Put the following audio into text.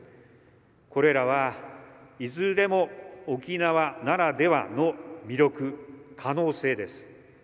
これらは、いずれも沖縄ならではの魅力・可能性です。